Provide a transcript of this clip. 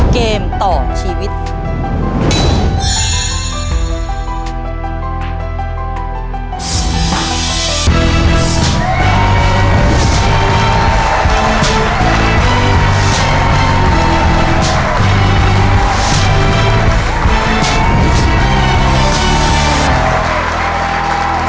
เกมต่อชีวิต